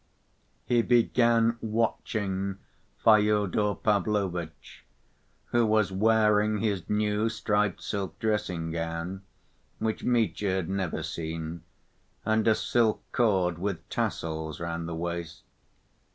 He began watching Fyodor Pavlovitch, who was wearing his new striped‐silk dressing‐gown, which Mitya had never seen, and a silk cord with tassels round the waist.